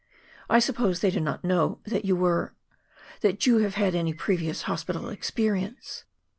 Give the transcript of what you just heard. "I suppose they do not know that you were that you have had any previous hospital experience."